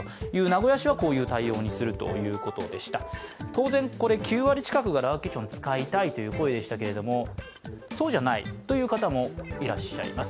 当然、９割近くがラーケーションを使いたいという声でしたが、そうじゃないという方もいらっしゃいます。